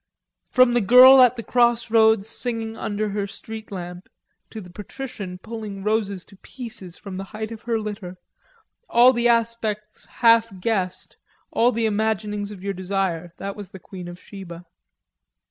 From the girl at the cross roads singing under her street lamp to the patrician pulling roses to pieces from the height of her litter, all the aspects' half guessed, all the imaginings of your desire... that was the Queen of Sheba.